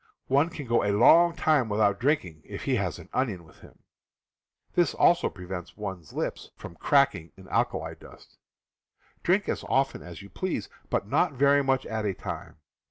One can go a long time without drinking if he has an onion with him; this also prevents one's lips from cracking in alkali dust. Drink as often as you please, but not very much at a time.